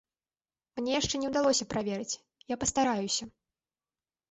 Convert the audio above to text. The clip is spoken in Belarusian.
Мне яшчэ не ўдалося праверыць, я пастараюся.